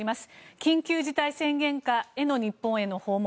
緊急事態宣言下での日本への訪問。